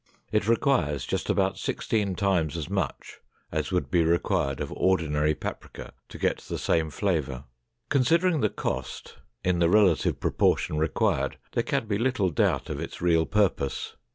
It requires just about sixteen times as much as would be required of ordinary paprika to get the same flavor. Considering the cost, in the relative proportion required, there can be little doubt of its real purpose.